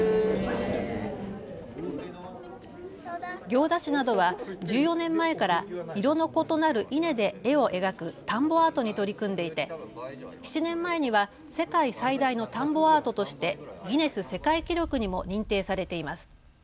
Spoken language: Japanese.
行田市などは１４年前から色の異なる稲で絵を描く田んぼアートに取り組んでいて７年前には世界最大の田んぼアートとしてギネス世界記録にも認定されています。